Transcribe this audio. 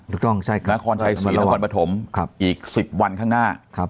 นครชัยศรีนครปฐมอีก๑๐วันข้างหน้า